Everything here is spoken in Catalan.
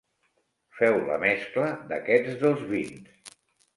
Feu la mescla d'aquests dos vins.